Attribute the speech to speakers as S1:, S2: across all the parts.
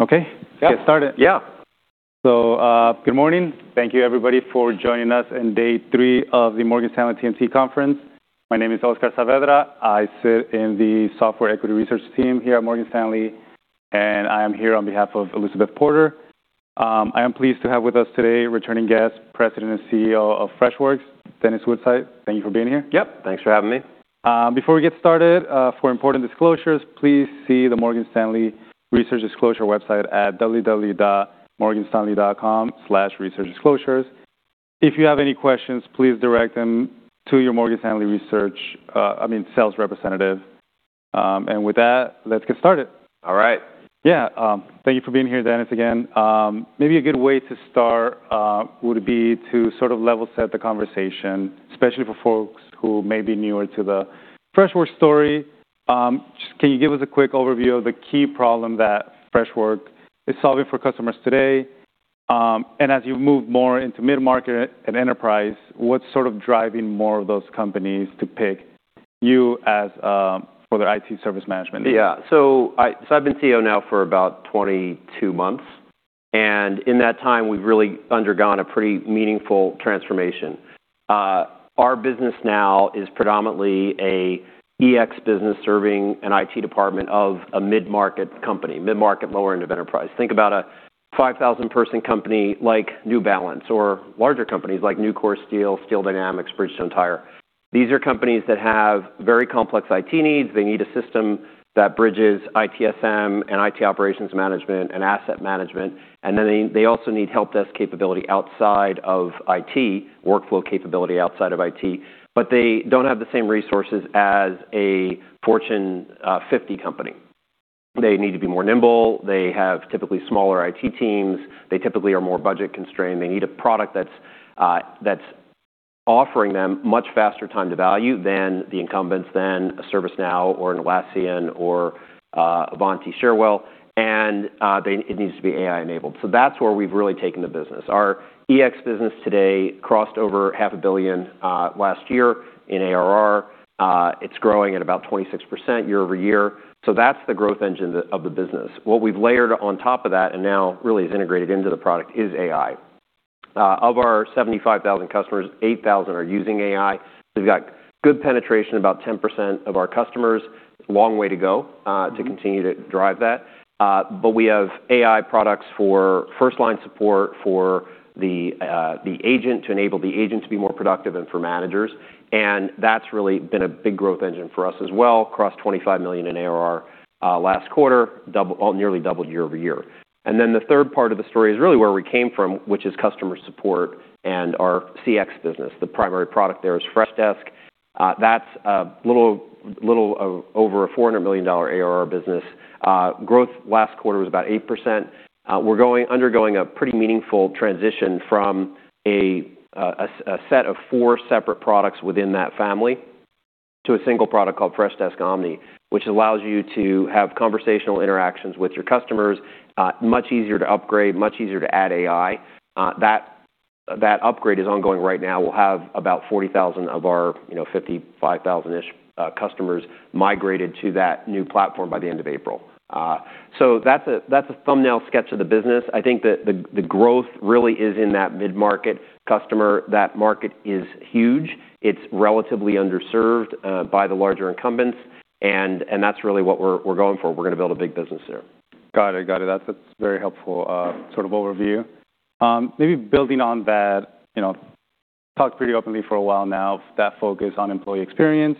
S1: Okay.
S2: Yeah.
S1: Get started.
S2: Yeah.
S1: Good morning. Thank you everybody for joining us in day three of the Morgan Stanley TMT Conference. My name is Oscar Saavedra. I sit in the software equity research team here at Morgan Stanley. I am here on behalf of Elizabeth Porter. I am pleased to have with us today returning guest, President and CEO of Freshworks, Dennis Woodside. Thank you for being here.
S2: Yep. Thanks for having me.
S1: Before we get started, for important disclosures, please see the Morgan Stanley Research Disclosure website at www.morganstanley.com/researchdisclosures. If you have any questions, please direct them to your Morgan Stanley research, I mean, sales representative. With that, let's get started.
S2: All right.
S1: Yeah. Thank you for being here, Dennis, again. Maybe a good way to start would be to sort of level set the conversation, especially for folks who may be newer to the Freshworks story. Just can you give us a quick overview of the key problem that Freshworks is solving for customers today? As you move more into mid-market and enterprise, what's sort of driving more of those companies to pick you as for their IT Service Management needs?
S2: Yeah. I've been CEO now for about 22 months. In that time, we've really undergone a pretty meaningful transformation. Our business now is predominantly a EX business serving an IT department of a mid-market company, mid-market, lower end of enterprise. Think about a 5,000 person company like New Balance or larger companies like Nucor, Steel Dynamics, Bridgestone Tire. These are companies that have very complex IT needs. They need a system that bridges ITSM and IT operations management and asset management. They also need help desk capability outside of IT, workflow capability outside of IT. They don't have the same resources as a Fortune 50 company. They need to be more nimble. They have typically smaller IT teams. They typically are more budget-constrained. They need a product that's that's offering them much faster time to value than the incumbents, than a ServiceNow or an Atlassian or Ivanti/Cherwell, it needs to be AI-enabled. That's where we've really taken the business. Our EX business today crossed over half a billion last year in ARR. It's growing at about 26% year-over-year. That's the growth engine of the business. What we've layered on top of that, and now really is integrated into the product, is AI. Of our 75,000 customers, 8,000 are using AI. We've got good penetration, about 10% of our customers. Long way to go.
S1: Mm-hmm.
S2: -to continue to drive that. But we have AI products for first-line support for the agent to enable the agent to be more productive and for managers. That's really been a big growth engine for us as well. Crossed $25 million in ARR last quarter, nearly doubled year-over-year. Then the third part of the story is really where we came from, which is customer support and our CX business. The primary product there is Freshdesk. That's a little over $400 million ARR business. Growth last quarter was about 8%. We're undergoing a pretty meaningful transition from a set of four separate products within that family to a single product called Freshdesk Omni, which allows you to have conversational interactions with your customers, much easier to upgrade, much easier to add AI. That upgrade is ongoing right now. We'll have about 40,000 of our, you know, 55,000-ish customers migrated to that new platform by the end of April. That's a thumbnail sketch of the business. I think the growth really is in that mid-market customer. That market is huge. It's relatively underserved by the larger incumbents, and that's really what we're going for. We're gonna build a big business there.
S1: Got it. Got it. That's a very helpful sort of overview. Maybe building on that, you know, talked pretty openly for a while now, that focus on employee experience.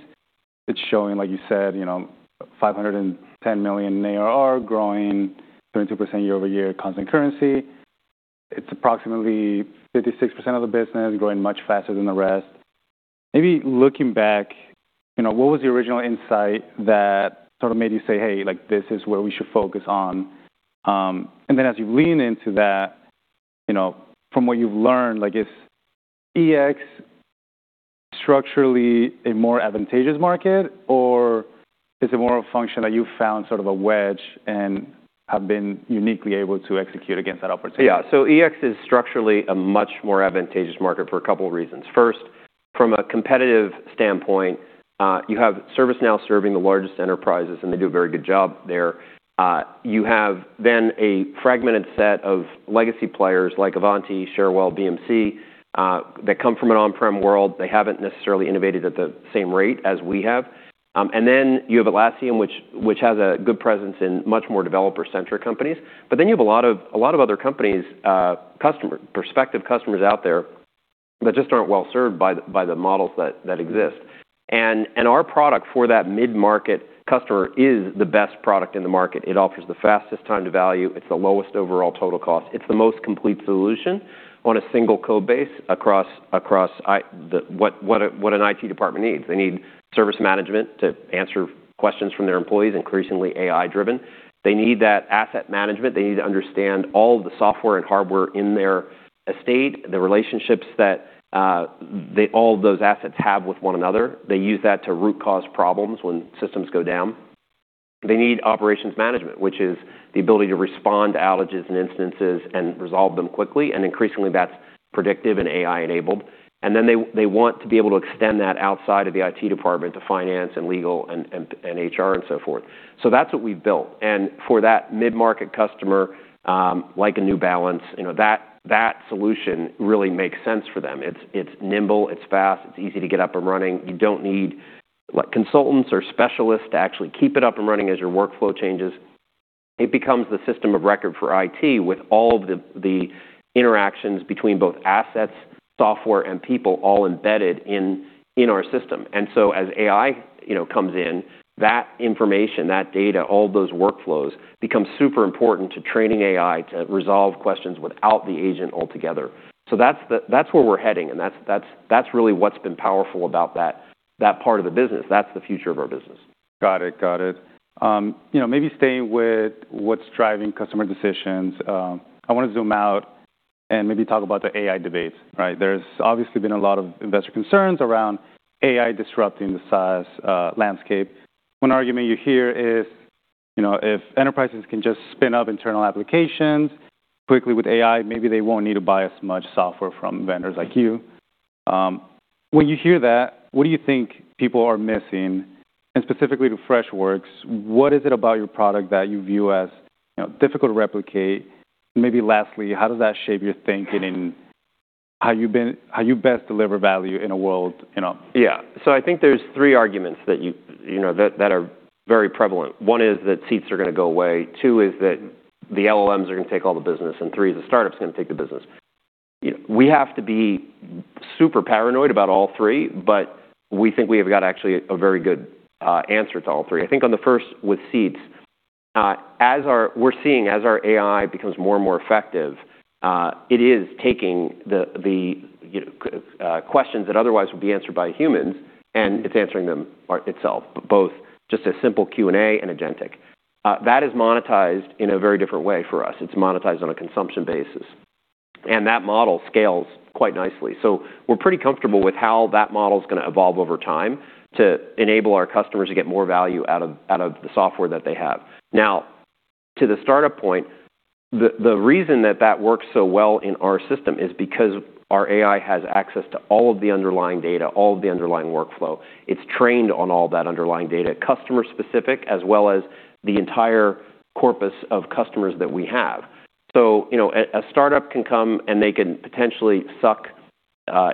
S1: It's showing, like you said, you know, $510 million in ARR, growing 32% year-over-year constant currency. It's approximately 56% of the business, growing much faster than the rest. Maybe looking back, you know, what was the original insight that sort of made you say, "Hey, like, this is where we should focus on"? And then as you lean into that, you know, from what you've learned, like is EX structurally a more advantageous market, or is it more a function that you found sort of a wedge and have been uniquely able to execute against that opportunity?
S2: Yeah. EX is structurally a much more advantageous market for a couple reasons. First, from a competitive standpoint, you have ServiceNow serving the largest enterprises, and they do a very good job there. You have a fragmented set of legacy players like Ivanti, Cherwell, BMC, that come from an on-prem world. They haven't necessarily innovated at the same rate as we have. You have Atlassian, which has a good presence in much more developer-centric companies. You have a lot of other companies, prospective customers out there that just aren't well served by the models that exist. Our product for that mid-market customer is the best product in the market. It offers the fastest time to value. It's the lowest overall total cost. It's the most complete solution on a single code base across what an IT department needs. They need service management to answer questions from their employees, increasingly AI-driven. They need that asset management. They need to understand all the software and hardware in their estate, the relationships that they all those assets have with one another. They use that to root cause problems when systems go down. They need operations management, which is the ability to respond to outages and instances and resolve them quickly, and increasingly that's predictive and AI-enabled. Then they want to be able to extend that outside of the IT department to finance and legal and HR and so forth. That's what we've built. For that mid-market customer, like a New Balance, you know, that solution really makes sense for them. It's nimble, it's fast, it's easy to get up and running. You don't need, like, consultants or specialists to actually keep it up and running as your workflow changes. It becomes the system of record for IT with all of the interactions between both assets, software, and people all embedded in our system. As AI, you know, comes in, that information, that data, all those workflows become super important to training AI to resolve questions without the agent altogether. That's where we're heading, and that's really what's been powerful about that part of the business. That's the future of our business.
S1: Got it. Got it. you know, maybe staying with what's driving customer decisions, I wanna zoom out and maybe talk about the AI debates, right? There's obviously been a lot of investor concerns around AI disrupting the SaaS landscape. One argument you hear is, you know, if enterprises can just spin up internal applications quickly with AI, maybe they won't need to buy as much software from vendors like you. When you hear that, what do you think people are missing? And specifically to Freshworks, what is it about your product that you view as, you know, difficult to replicate? Maybe lastly, how does that shape your thinking in how you best deliver value in a world, you know?
S2: I think there's three arguments that you know, that are very prevalent. One is that seats are gonna go away, two is that the LLMs are gonna take all the business, and three is the startups are gonna take the business. We have to be super paranoid about all three, but we think we have got actually a very good answer to all three. I think on the first with seats, We're seeing as our AI becomes more and more effective, it is taking the, you know, questions that otherwise would be answered by humans, and it's answering them by itself, both just a simple Q&A and agentic. That is monetized in a very different way for us. It's monetized on a consumption basis, and that model scales quite nicely. We're pretty comfortable with how that model's gonna evolve over time to enable our customers to get more value out of the software that they have. To the startup point, the reason that that works so well in our system is because our AI has access to all of the underlying data, all of the underlying workflow. It's trained on all that underlying data, customer specific, as well as the entire corpus of customers that we have. You know, a startup can come, and they can potentially suck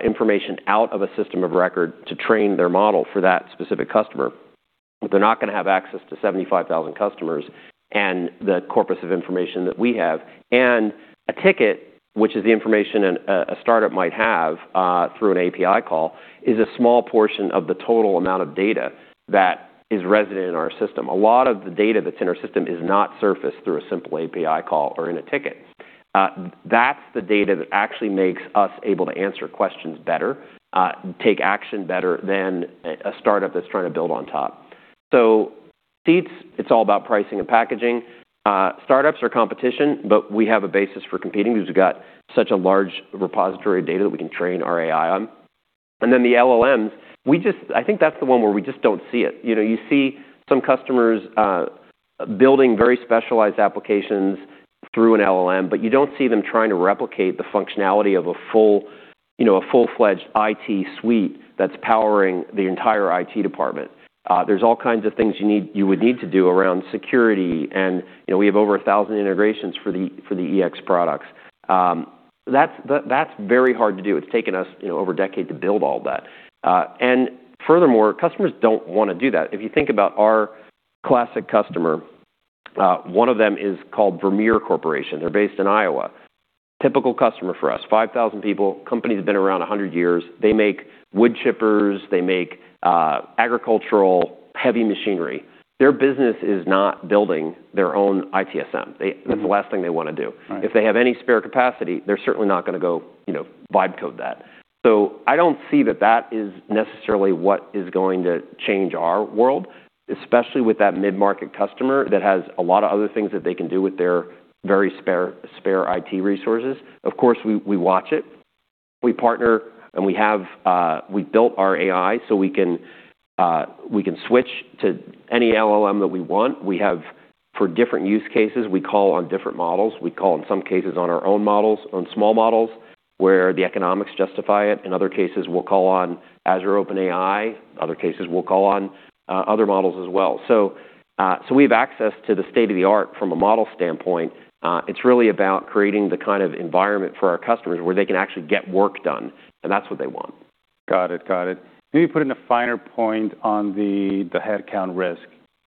S2: information out of a system of record to train their model for that specific customer. They're not gonna have access to 75,000 customers and the corpus of information that we have. A ticket, which is the information a startup might have, through an API call, is a small portion of the total amount of data that is resident in our system. A lot of the data that's in our system is not surfaced through a simple API call or in a ticket. That's the data that actually makes us able to answer questions better, take action better than a startup that's trying to build on top. Seats, it's all about pricing and packaging. Startups are competition, but we have a basis for competing because we've got such a large repository of data that we can train our AI on. The LLMs, I think that's the one where we just don't see it. You know, you see some customers, building very specialized applications through an LLM, but you don't see them trying to replicate the functionality of a full, you know, a full-fledged IT suite that's powering the entire IT department. There's all kinds of things you would need to do around security, and, you know, we have over 1,000 integrations for the, for the EX products. That's very hard to do. It's taken us, you know, over a decade to build all that. Furthermore, customers don't wanna do that. If you think about our classic customer, one of them is called Vermeer Corporation. They're based in Iowa. Typical customer for us, 5,000 people. Company's been around 100 years. They make wood chippers. They make agricultural heavy machinery. Their business is not building their own ITSM. That's the last thing they wanna do.
S1: Right.
S2: If they have any spare capacity, they're certainly not gonna go, you know, vibe code that. I don't see that that is necessarily what is going to change our world, especially with that mid-market customer that has a lot of other things that they can do with their very spare IT resources. Of course, we watch it. We partner, and we have, we built our AI, so we can switch to any LLM that we want. For different use cases, we call on different models. We call, in some cases, on our own models, on small models, where the economics justify it. In other cases, we'll call on Azure OpenAI. Other cases, we'll call on other models as well. We have access to the state-of-the-art from a model standpoint. It's really about creating the kind of environment for our customers where they can actually get work done, and that's what they want.
S1: Got it. Let me put in a finer point on the headcount risk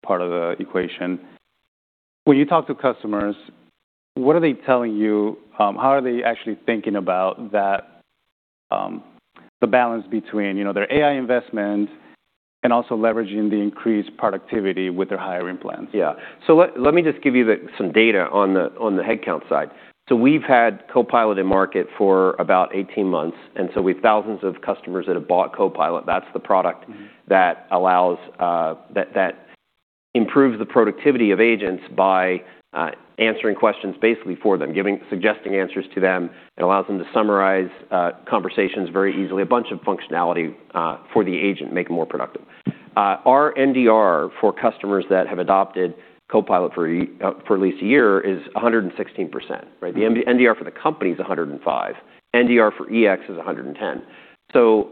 S1: part of the equation. When you talk to customers, what are they telling you, how are they actually thinking about that, the balance between, you know, their AI investment and also leveraging the increased productivity with their hiring plans?
S2: Yeah. Let me just give you some data on the headcount side. We've had Copilot in market for about 18 months. We've thousands of customers that have bought Copilot. That's the product-
S1: Mm-hmm.
S2: That allows that improves the productivity of agents by answering questions basically for them, suggesting answers to them. It allows them to summarize conversations very easily. A bunch of functionality for the agent, make them more productive. Our NDR for customers that have adopted Copilot for at least a year is 116%, right? The NDR for the company is 105%. NDR for EX is 110%.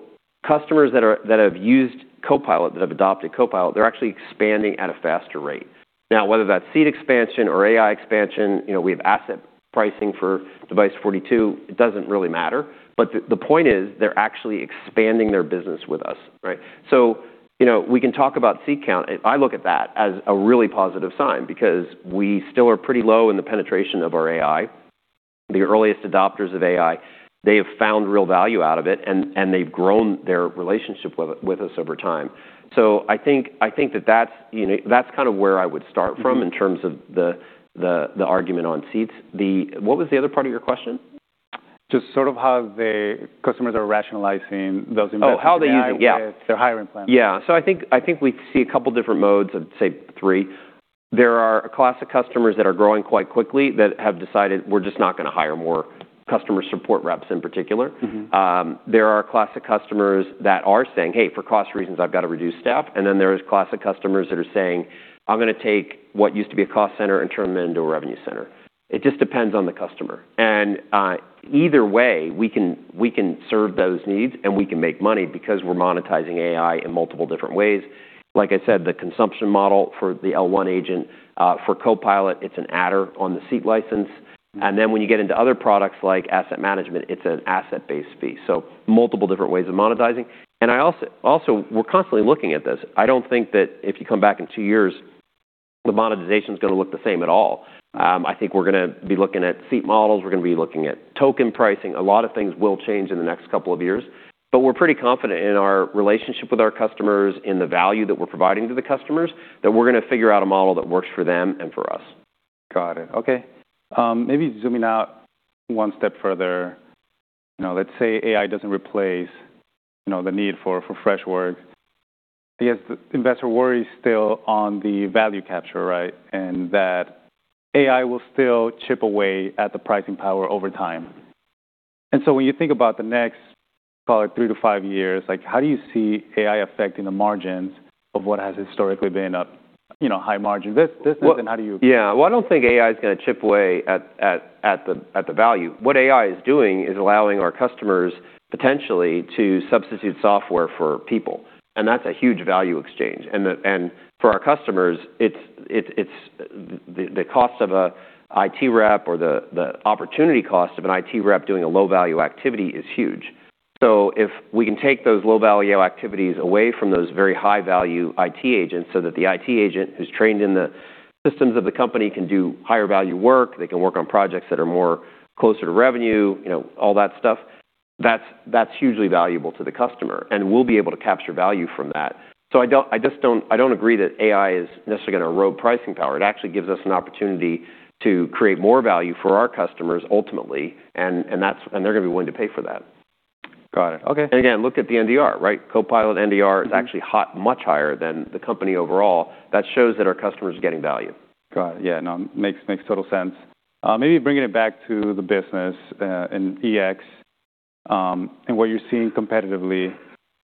S2: Customers that have used Copilot, that have adopted Copilot, they're actually expanding at a faster rate. Now, whether that's seat expansion or AI expansion, you know, we have asset pricing for Device42, it doesn't really matter. The point is they're actually expanding their business with us, right? You know, we can talk about seat count. I look at that as a really positive sign because we still are pretty low in the penetration of our AI. The earliest adopters of AI, they have found real value out of it, and they've grown their relationship with us over time. I think that that's, you know, that's kind of where I would start.
S1: Mm-hmm
S2: from in terms of the argument on seats. What was the other part of your question?
S1: Just sort of how the customers are rationalizing those investments.
S2: Oh, how they use it. Yeah.
S1: ...with their hiring plans.
S2: Yeah. I think we see a couple different modes of, say, 3. There are classic customers that are growing quite quickly that have decided we're just not gonna hire more customer support reps in particular.
S1: Mm-hmm.
S2: There are classic customers that are saying, "Hey, for cost reasons, I've got to reduce staff." Then there is classic customers that are saying, "I'm gonna take what used to be a cost center and turn them into a revenue center." It just depends on the customer. Either way, we can, we can serve those needs, and we can make money because we're monetizing AI in multiple different ways. Like I said, the consumption model for the L1 agent, for Copilot, it's an adder on the seat license. Then when you get into other products like asset management, it's an asset-based fee. Multiple different ways of monetizing. I also, we're constantly looking at this. I don't think that if you come back in two years, the monetization's gonna look the same at all. I think we're gonna be looking at seat models. We're gonna be looking at token pricing. A lot of things will change in the next couple of years. We're pretty confident in our relationship with our customers, in the value that we're providing to the customers, that we're gonna figure out a model that works for them and for us.
S1: Got it. Okay. maybe zooming out one step further. You know, let's say AI doesn't replace, you know, the need for Freshworks. The investor worry is still on the value capture, right? That AI will still chip away at the pricing power over time. When you think about the next probably three to five years, like, how do you see AI affecting the margins of what has historically been a, you know, high margin? This is. How do you...
S2: Yeah. Well, I don't think AI is gonna chip away at the value. What AI is doing is allowing our customers potentially to substitute software for people, and that's a huge value exchange. For our customers, it's, it's the cost of an IT rep or the opportunity cost of an IT rep doing a low-value activity is huge. If we can take those low-value activities away from those very high-value IT agents so that the IT agent who's trained in the systems of the company can do higher value work, they can work on projects that are more closer to revenue, you know, all that stuff, that's hugely valuable to the customer, and we'll be able to capture value from that. I don't agree that AI is necessarily gonna erode pricing power. It actually gives us an opportunity to create more value for our customers ultimately, they're gonna be willing to pay for that.
S1: Got it. Okay.
S2: again, look at the NDR, right? Copilot NDR-
S1: Mm-hmm
S2: is actually hot, much higher than the company overall. That shows that our customers are getting value.
S1: Got it. Yeah. No. Makes total sense. Maybe bringing it back to the business and EX and what you're seeing competitively.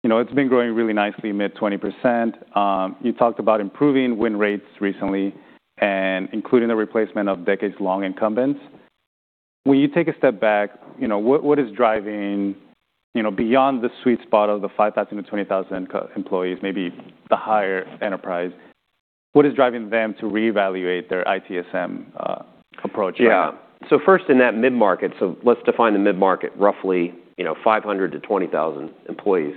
S1: You know, it's been growing really nicely, mid 20%. You talked about improving win rates recently and including the replacement of decades-long incumbents. When you take a step back, you know, what is driving, you know, beyond the sweet spot of the 5,000 to 20,000 employees, maybe the higher enterprise, what is driving them to reevaluate their ITSM approach right now?
S2: First in that mid-market, let's define the mid-market, roughly, you know, 500 to 20,000 employees.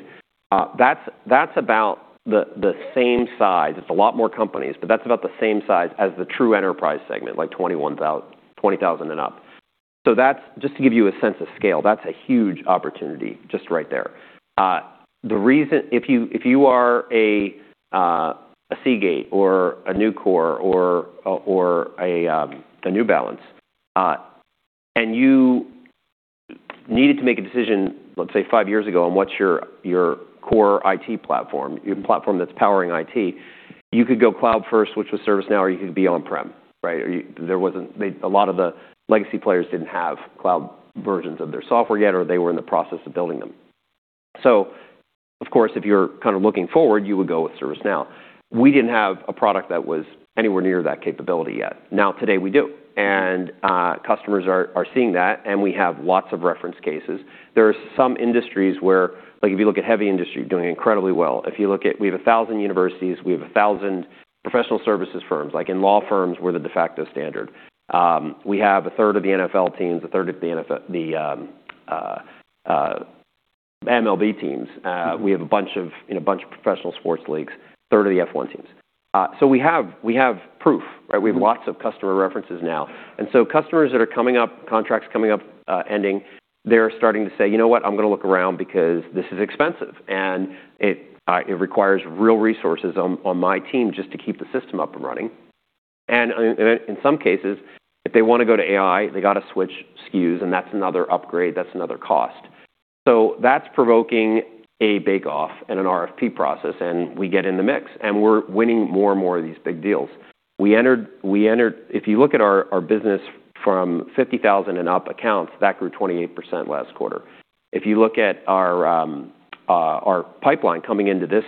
S2: That's, that's about the same size. It's a lot more companies, but that's about the same size as the true enterprise segment, like 20,000 and up. That's just to give you a sense of scale. That's a huge opportunity just right there. The reason... If you, if you are a Seagate or a Nucor or a New Balance, and you needed to make a decision, let's say 5 years ago, on what's your core IT platform, your platform that's powering IT, you could go cloud-first, which was ServiceNow, or you could be on-prem, right? Or you... A lot of the legacy players didn't have cloud versions of their software yet, or they were in the process of building them. Of course, if you're kind of looking forward, you would go with ServiceNow. We didn't have a product that was anywhere near that capability yet. Now, today we do.
S1: Mm-hmm.
S2: Customers are seeing that, and we have lots of reference cases. There are some industries where, like if you look at heavy industry, doing incredibly well. If you look at. We have 1,000 universities. We have 1,000 professional services firms. Like, in law firms, we're the de facto standard. We have a third of the NFL teams, a third of the MLB teams. We have a bunch of, you know, a bunch of professional sports leagues, third of the F1 teams. We have proof, right?
S1: Mm-hmm.
S2: We have lots of customer references now. Customers that are coming up, contracts coming up, ending, they're starting to say, "You know what? I'm gonna look around because this is expensive, and it requires real resources on my team just to keep the system up and running." And in some cases, if they wanna go to AI, they gotta switch SKUs, and that's another upgrade, that's another cost. That's provoking a bake-off and an RFP process, and we get in the mix, and we're winning more and more of these big deals. If you look at our business from 50,000 and up accounts, that grew 28% last quarter. If you look at our pipeline coming into this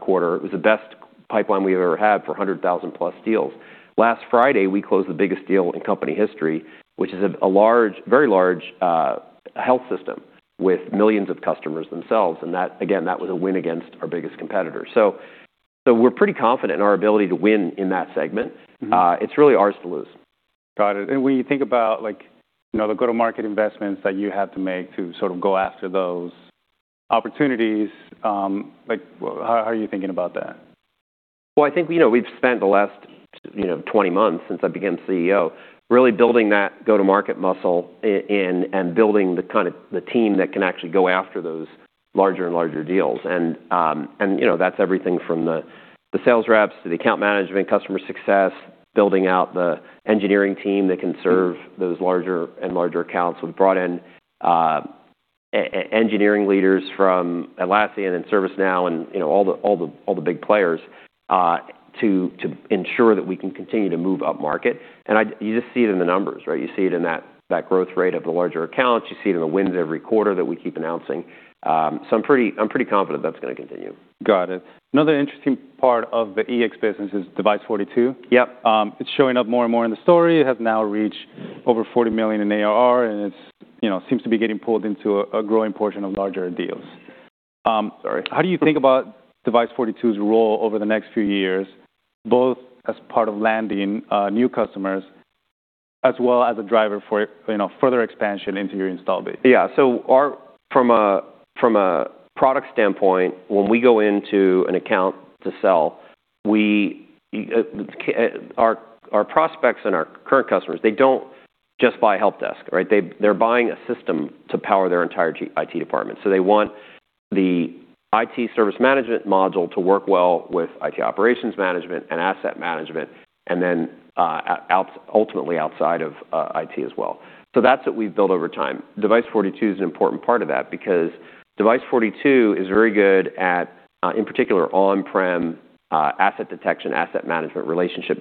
S2: quarter, it was the best pipeline we've ever had for 100,000 plus deals. Last Friday, we closed the biggest deal in company history, which is a large, very large health system with millions of customers themselves. That, again, that was a win against our biggest competitor. We're pretty confident in our ability to win in that segment.
S1: Mm-hmm.
S2: It's really ours to lose.
S1: Got it. When you think about like, you know, the go-to-market investments that you have to make to sort of go after those opportunities, like how are you thinking about that?
S2: Well, I think, you know, we've spent the last, you know, 20 months since I became CEO really building that go-to-market muscle in, and building the kind of the team that can actually go after those larger and larger deals. You know, that's everything from the sales reps to the account management, customer success, building out the engineering team that can serve those larger and larger accounts. We've brought in engineering leaders from Atlassian and ServiceNow and, you know, all the big players to ensure that we can continue to move up market. You just see it in the numbers, right? You see it in that growth rate of the larger accounts. You see it in the wins every quarter that we keep announcing. I'm pretty confident that's gonna continue.
S1: Got it. Another interesting part of the EX business is Device42.
S2: Yep.
S1: It's showing up more and more in the story. It has now reached over $40 million in ARR, and it's, you know, seems to be getting pulled into a growing portion of larger deals. Sorry. How do you think about Device42's role over the next few years, both as part of landing, new customers as well as a driver for, you know, further expansion into your install base?
S2: Yeah. From a product standpoint, when we go into an account to sell, we, our prospects and our current customers, they don't just buy a help desk, right? They're buying a system to power their entire IT department. They want the IT service management module to work well with IT operations management and asset management, and then ultimately outside of IT as well. That's what we've built over time. Device42 is an important part of that because Device42 is very good at, in particular, on-prem, asset detection, asset management, relationship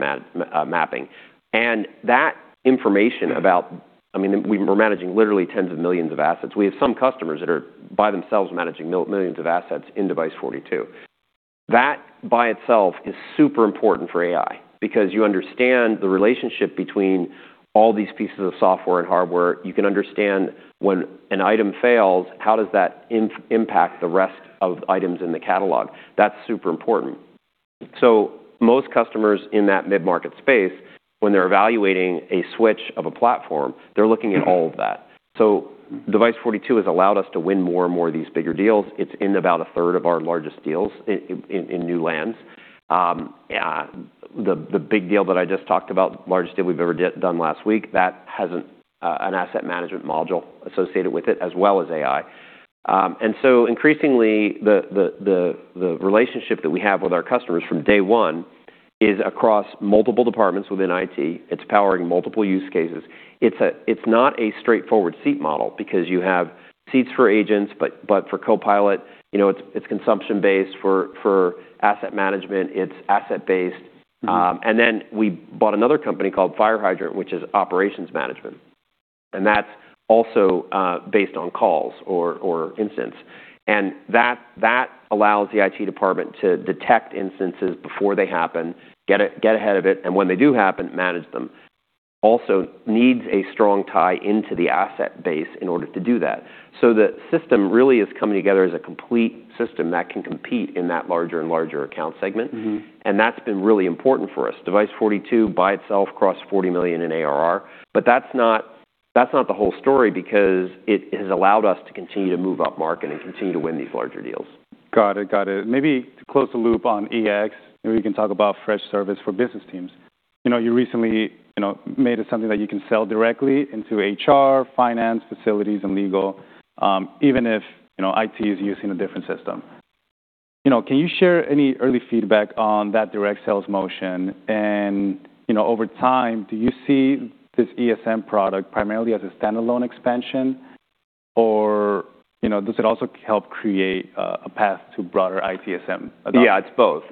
S2: mapping. That information about, I mean, we're managing literally tens of millions of assets. We have some customers that are by themselves managing millions of assets in Device42. That by itself is super important for AI because you understand the relationship between all these pieces of software and hardware. You can understand when an item fails, how does that impact the rest of items in the catalog. That's super important. Most customers in that mid-market space, when they're evaluating a switch of a platform, they're looking at all of that. Device42 has allowed us to win more and more of these bigger deals. It's in about a third of our largest deals in new lands. The big deal that I just talked about, largest deal we've ever done last week, that has an asset management module associated with it as well as AI. Increasingly, the relationship that we have with our customers from day one is across multiple departments within IT. It's powering multiple use cases. It's not a straightforward seat model because you have seats for agents, but for Copilot, you know, it's consumption-based. For asset management, it's asset-based.
S1: Mm-hmm.
S2: Then we bought another company called FireHydrant, which is operations management. That's also based on calls or instance. That allows the IT department to detect instances before they happen, get ahead of it, and when they do happen, manage them. Also needs a strong tie into the asset base in order to do that. The system really is coming together as a complete system that can compete in that larger and larger account segment.
S1: Mm-hmm.
S2: That's been really important for us. Device42 by itself crossed $40 million in ARR, but that's not the whole story because it has allowed us to continue to move up market and continue to win these larger deals.
S1: Got it. Got it. Maybe to close the loop on EX, maybe we can talk about Freshservice for Business Teams. You know, you recently, you know, made it something that you can sell directly into HR, finance, facilities, and legal, even if, you know, IT is using a different system. You know, can you share any early feedback on that direct sales motion? And, you know, over time, do you see this ESM product primarily as a standalone expansion? Or, you know, does it also help create a path to broader ITSM adoption?
S2: Yeah, it's both.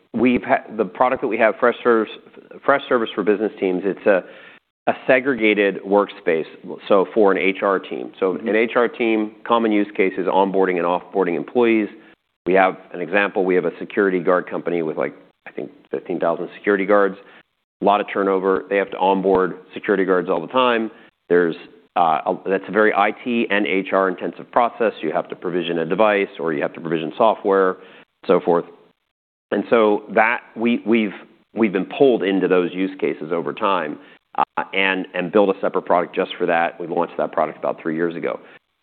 S2: The product that we have, Freshservice for Business Teams, it's a segregated workspace, so for an HR team.
S1: Mm-hmm.
S2: An HR team, common use case is onboarding and off-boarding employees. We have an example. We have a security guard company with like, I think, 15,000 security guards. Lot of turnover. They have to onboard security guards all the time. That's a very IT and HR-intensive process. You have to provision a device, or you have to provision software, so forth. That we've been pulled into those use cases over time and build a separate product just for that. We launched that product about 3 years ago.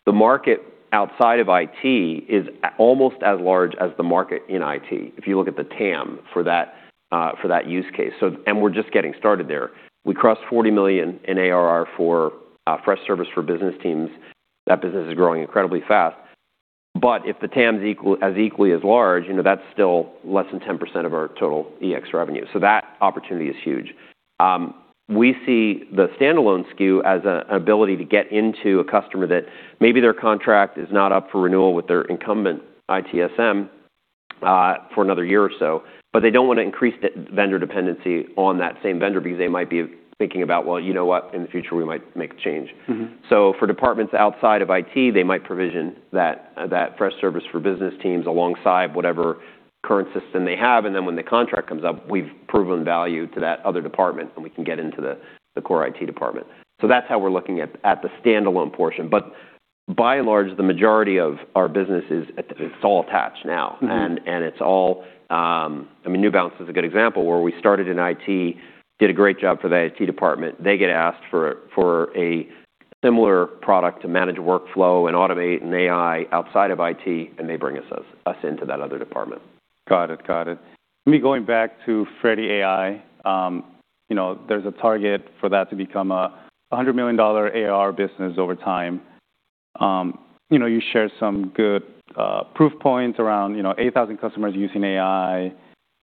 S2: The market outside of IT is almost as large as the market in IT, if you look at the TAM for that for that use case. We're just getting started there. We crossed $40 million in ARR for Freshservice for Business Teams. That business is growing incredibly fast. If the TAM is equal, as equally as large, you know, that's still less than 10% of our total EX revenue. That opportunity is huge. We see the standalone SKU as an ability to get into a customer that maybe their contract is not up for renewal with their incumbent ITSM for another year or so, but they don't wanna increase the vendor dependency on that same vendor because they might be thinking about, well, you know what? In the future, we might make a change.
S1: Mm-hmm.
S2: For departments outside of IT, they might provision that Freshservice for Business Teams alongside whatever current system they have, and then when the contract comes up, we've proven value to that other department, and we can get into the core IT department. That's how we're looking at the standalone portion. By and large, the majority of our business it's all attached now.
S1: Mm-hmm.
S2: I mean, New Balance is a good example where we started in IT, did a great job for the IT department. They get asked for a similar product to manage workflow and automate and AI outside of IT, and they bring us into that other department.
S1: Got it. Got it. Me going back to Freddy AI, you know, there's a target for that to become a $100 million ARR business over time. You know, you shared some good proof points around, you know, 8,000 customers using AI,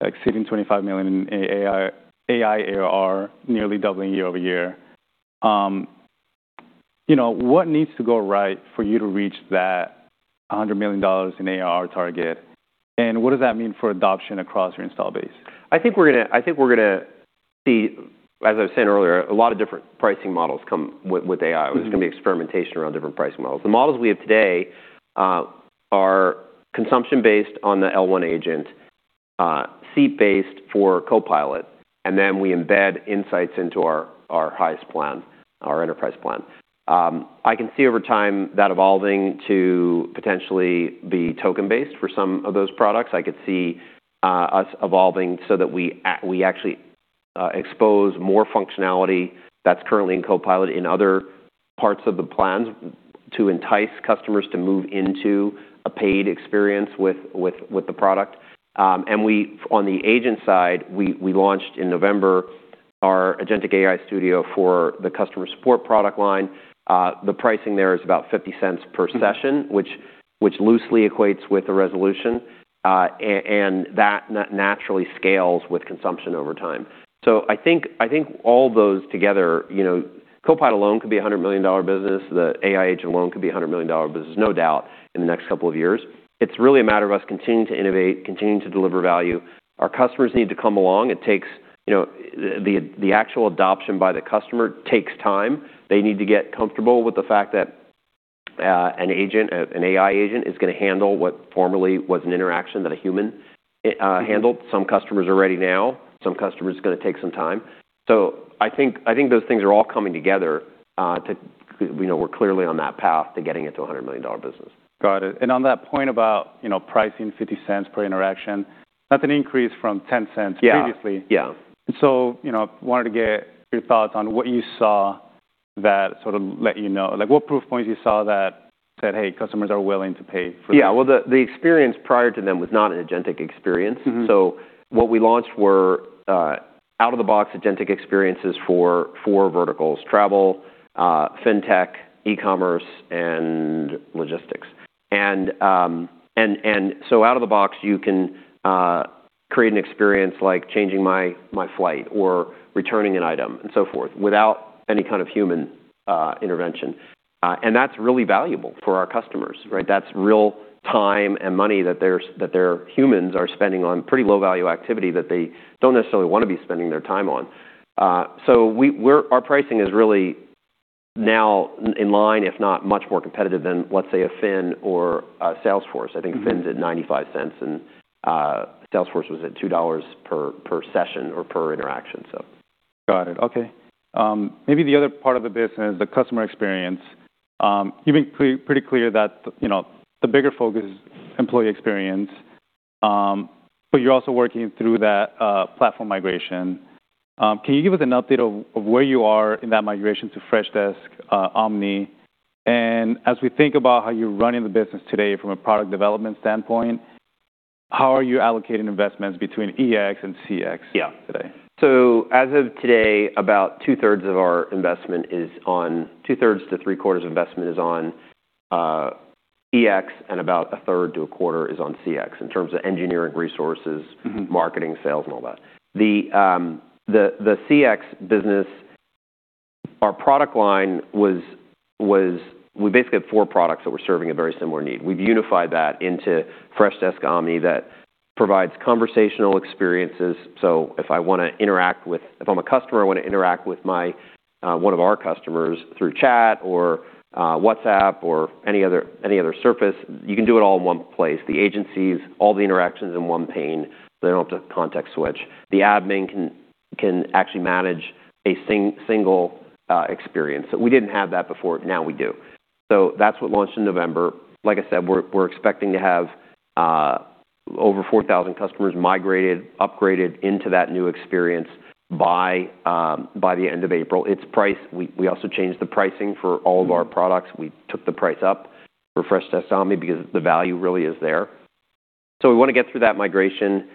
S1: exceeding $25 million in AI ARR, nearly doubling year-over-year. You know, what needs to go right for you to reach that $100 million in ARR target, and what does that mean for adoption across your install base?
S2: I think we're gonna see, as I was saying earlier, a lot of different pricing models come with AI.
S1: Mm-hmm.
S2: There's gonna be experimentation around different pricing models. The models we have today are consumption-based on the L1 agent, seat-based for Copilot, and then we embed insights into our highest plan, our enterprise plan. I can see over time that evolving to potentially be token-based for some of those products. I could see us evolving so that we actually expose more functionality that's currently in Copilot in other parts of the plans to entice customers to move into a paid experience with the product. On the agent side, we launched in November our Agentic AI Studio for the customer support product line. The pricing there is about $0.50 per session.
S1: Mm-hmm...
S2: which loosely equates with the resolution. That naturally scales with consumption over time. I think all those together, you know, Copilot alone could be a $100 million business. The AI agent alone could be a $100 million business, no doubt, in the next couple of years. It's really a matter of us continuing to innovate, continuing to deliver value. Our customers need to come along. It takes, you know, the actual adoption by the customer takes time. They need to get comfortable with the fact that, an AI agent is gonna handle what formerly was an interaction that a human.
S1: Mm-hmm
S2: handled. Some customers are ready now. Some customers, it's gonna take some time. I think, I think those things are all coming together. You know, we're clearly on that path to getting it to a $100 million business.
S1: Got it. On that point about, you know, pricing $0.50 per interaction, that's an increase from $0.10 previously.
S2: Yeah. Yeah.
S1: You know, wanted to get your thoughts on what you saw that sort of let you know. Like, what proof points you saw that said, "Hey, customers are willing to pay for this.
S2: Yeah. Well, the experience prior to them was not an agentic experience.
S1: Mm-hmm.
S2: What we launched were out-of-the-box agentic experiences for four verticals: travel, fintech, e-commerce, and logistics. Out of the box, you can create an experience like changing my flight or returning an item and so forth without any kind of human intervention. That's really valuable for our customers, right? That's real time and money that their humans are spending on pretty low-value activity that they don't necessarily wanna be spending their time on. Our pricing is really now in line, if not much more competitive than, let's say, a Fin or a Salesforce.
S1: Mm-hmm.
S2: I think Fin's at $0.95, and Salesforce was at $2 per session or per interaction or so.
S1: Got it. Okay. Maybe the other part of the business, the customer experience, you've been pretty clear that, you know, the bigger focus is employee experience, but you're also working through that platform migration. Can you give us an update of where you are in that migration to Freshdesk Omni? As we think about how you're running the business today from a product development standpoint, how are you allocating investments between EX and CX?
S2: Yeah...
S1: today?
S2: As of today, two-thirds to three-quarters of investment is on EX and about a third to a quarter is on CX in terms of engineering resources.
S1: Mm-hmm...
S2: marketing, sales, and all that. The CX business, our product line... We basically had 4 products that were serving a very similar need. We've unified that into Freshdesk Omni that provides conversational experiences. If I'm a customer, I wanna interact with my one of our customers through chat or WhatsApp or any other surface, you can do it all in one place. The agencies, all the interactions in one pane, so they don't have to context switch. The admin can actually manage a single experience. We didn't have that before. Now we do. That's what launched in November. Like I said, we're expecting to have over 4,000 customers migrated, upgraded into that new experience by the end of April. Its price. We also changed the pricing for all of our products. We took the price up for Freshdesk Omni because the value really is there. We wanna get through that migration.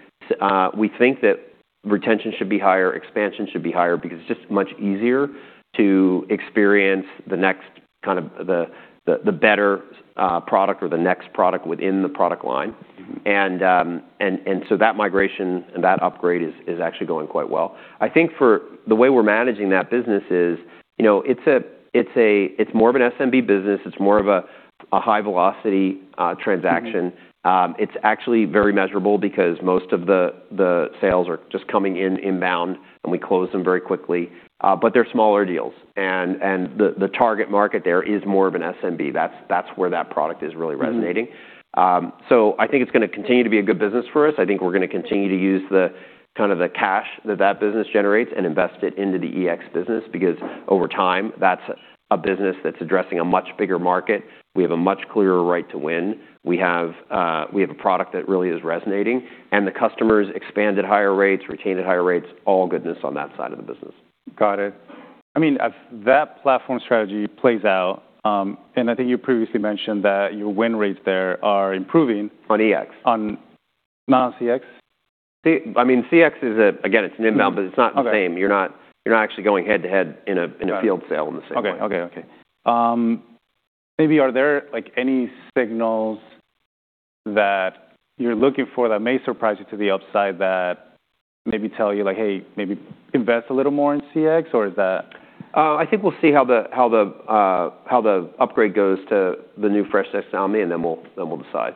S2: We think that retention should be higher, expansion should be higher because it's just much easier to experience the next kind of the better product or the next product within the product line.
S1: Mm-hmm.
S2: So that migration and that upgrade is actually going quite well. I think for the way we're managing that business is, you know, it's more of an SMB business, it's more of a high velocity transaction.
S1: Mm-hmm.
S2: It's actually very measurable because most of the sales are just coming in inbound, and we close them very quickly. They're smaller deals and the target market there is more of an SMB. That's where that product is really resonating.
S1: Mm-hmm.
S2: I think it's gonna continue to be a good business for us. I think we're gonna continue to use the kind of the cash that that business generates and invest it into the EX business because over time, that's a business that's addressing a much bigger market. We have a much clearer right to win. We have, we have a product that really is resonating, and the customers expand at higher rates, retain at higher rates, all goodness on that side of the business.
S1: Got it. I mean, as that platform strategy plays out, I think you previously mentioned that your win rates there are improving.
S2: On EX.
S1: On. Not on CX?
S2: I mean, CX is, again, it's an inbound, but it's not the same.
S1: Okay.
S2: You're not actually going head-to-head in a, in a field sale in the same way.
S1: Got it. Okay. Maybe are there, like, any signals that you're looking for that may surprise you to the upside that maybe tell you like, "Hey, maybe invest a little more in CX," or is that...
S2: I think we'll see how the upgrade goes to the new Freshdesk Omni, then we'll decide.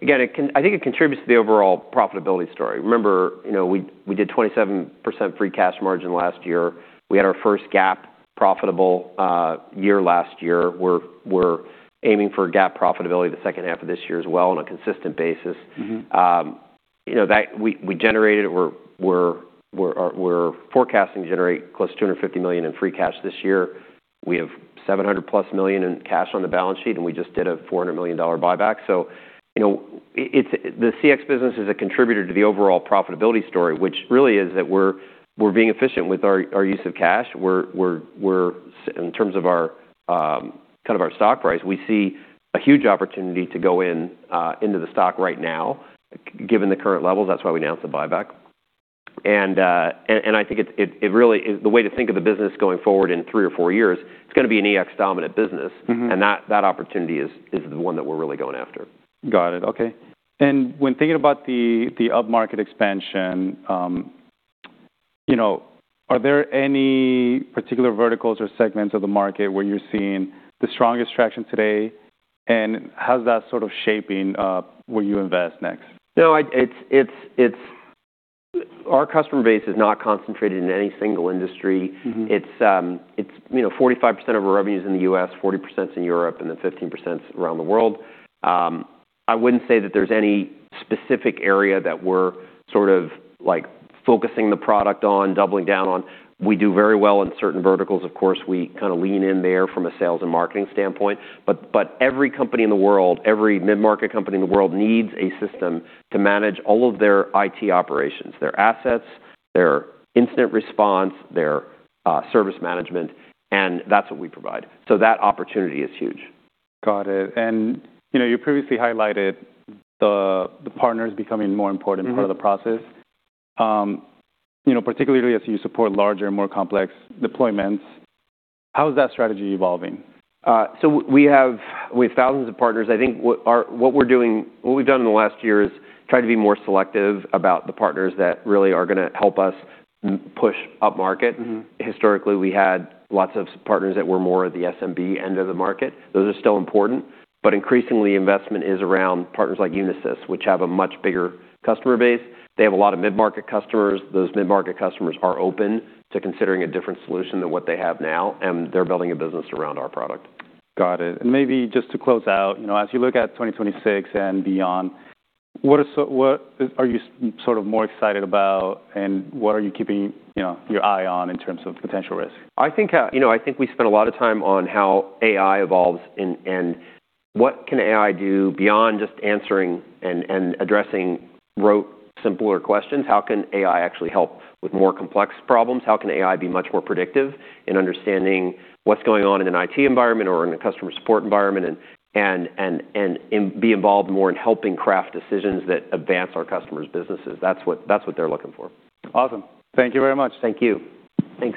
S2: Again, I think it contributes to the overall profitability story. Remember, you know, we did 27% free cash margin last year. We had our first GAAP profitable year last year. We're aiming for a GAAP profitability the second half of this year as well on a consistent basis.
S1: Mm-hmm.
S2: you know, that we generated, we're forecasting to generate close to $250 million in free cash this year. We have $700+ million in cash on the balance sheet, we just did a $400 million buyback. you know, it's the CX business is a contributor to the overall profitability story, which really is that we're being efficient with our use of cash. We're in terms of our, kind of our stock price, we see a huge opportunity to go into the stock right now, given the current levels. That's why we announced the buyback. I think it really is the way to think of the business going forward in three or four years, it's gonna be an EX-dominant business.
S1: Mm-hmm.
S2: That opportunity is the one that we're really going after.
S1: Got it. Okay. When thinking about the upmarket expansion, you know, are there any particular verticals or segments of the market where you're seeing the strongest traction today, and how's that sort of shaping, where you invest next?
S2: Our customer base is not concentrated in any single industry.
S1: Mm-hmm.
S2: It's, you know, 45% of our revenue is in the US, 40%'s in Europe, 15%'s around the world. I wouldn't say that there's any specific area that we're sort of like focusing the product on, doubling down on. We do very well in certain verticals, of course. We kinda lean in there from a sales and marketing standpoint. Every company in the world, every mid-market company in the world needs a system to manage all of their IT operations, their assets, their incident response, their service management, and that's what we provide. That opportunity is huge.
S1: Got it. You know, you previously highlighted the partners becoming more important.
S2: Mm-hmm
S1: ...part of the process. you know, particularly as you support larger and more complex deployments, how is that strategy evolving?
S2: We have thousands of partners. I think what our, what we're doing, what we've done in the last year is try to be more selective about the partners that really are gonna help us push upmarket.
S1: Mm-hmm.
S2: Historically, we had lots of partners that were more at the SMB end of the market. Those are still important, increasingly investment is around partners like Unisys, which have a much bigger customer base. They have a lot of mid-market customers. Those mid-market customers are open to considering a different solution than what they have now, they're building a business around our product.
S1: Got it. Maybe just to close out, you know, as you look at 2026 and beyond, what are you sort of more excited about, and what are you keeping, you know, your eye on in terms of potential risk?
S2: I think, you know, I think we spend a lot of time on how AI evolves and what can AI do beyond just answering and addressing rote, simpler questions. How can AI actually help with more complex problems? How can AI be much more predictive in understanding what's going on in an IT environment or in a customer support environment and be involved more in helping craft decisions that advance our customers' businesses. That's what they're looking for.
S1: Awesome. Thank you very much.
S2: Thank you. Thank you.